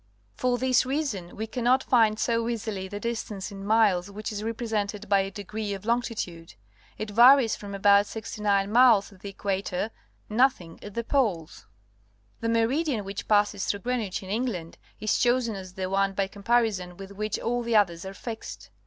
For this reason we cannot find so easily the dis tance in miles which is represented by a degree of longitude. It varies from about sixty nine miles at the eciuatorto nothing at the poles. The meridian which jiasses through Green u'ich in England is chosen as the one by comparison with which all the others are fixed.